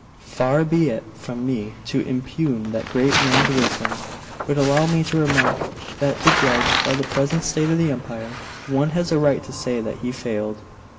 'Far be it from me to impugn that great man's wisdom. But allow me to remark, that to judge by the present state of the empire, one has a right to say that he failed.